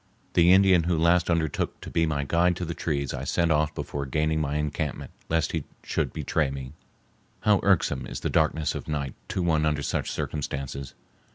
The Indian who last undertook to be my guide to the trees I sent off before gaining my encampment, lest he should betray me. How irksome is the darkness of night to one under such circumstances.